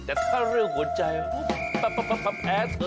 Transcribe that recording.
แต่ถ้าเรื่องหัวใจแพ้เธอ